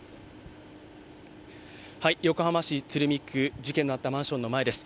横浜市鶴見区、事件のあったマンションの前です。